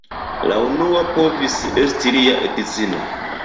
La unua povis esti lia edzino.